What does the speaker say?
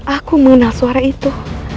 aku mengenal suara itu